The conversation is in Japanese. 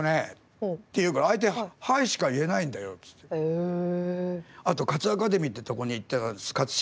へえ。